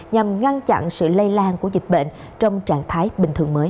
nhằm ngăn chặn sự lây lan của dịch bệnh trong trạng thái bình thường mới